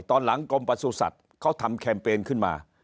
ตอนหลังกรมประสุทธิ์เขาทำแคมเปญขึ้นมา